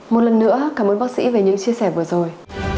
một lần nữa cảm ơn bác sĩ về những chia sẻ vừa rồi